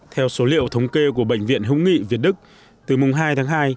theo số liệu thống kê của bệnh viện hữu nghị việt đức từ mùng hai tháng hai